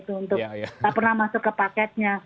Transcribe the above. tidak pernah masuk ke paketnya